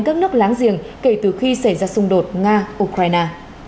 nghĩa là các nước láng giềng kể từ khi xảy ra xung đột nga ukraine